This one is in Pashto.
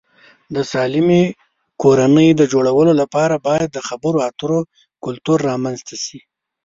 د سالمې کورنۍ د جوړولو لپاره باید د خبرو اترو کلتور رامنځته شي.